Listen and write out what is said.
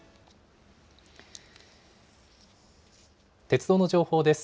鉄道の情報です。